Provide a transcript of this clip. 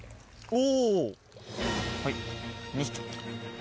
お。